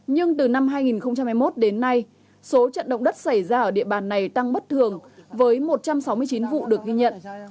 nhưng từ năm hai nghìn hai mươi một đến nay số trận động đất xảy ra ở địa bàn này tăng bất thường với một trăm sáu mươi chín vụ được ghi nhận